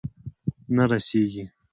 نه رسیږې